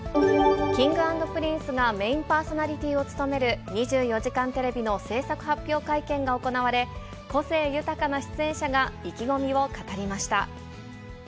Ｋｉｎｇ＆Ｐｒｉｎｃｅがメインパーソナリティーを務める２４時間テレビの制作発表会見が行われ、個性豊かな出演者が意気込みを語りました。